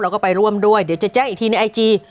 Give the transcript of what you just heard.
แล้วก็ไปร่วมด้วยเดี๋ยวจะแจ้งอีกทีในไอจี